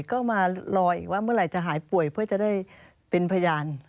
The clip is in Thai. ก็มารออีกว่าเมื่อไหร่จะหายป่วยเพื่อจะได้เป็นพยาน